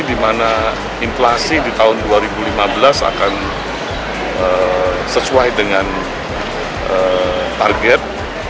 di mana inflasi di tahun dua ribu lima belas akan sesuai dengan target